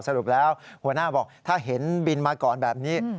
สรุปแล้วหัวหน้าบอกถ้าเห็นบินมาก่อนแบบนี้